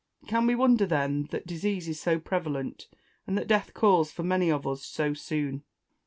Can we wonder, then, that disease is so prevalent, and that death calls for many of us so soon.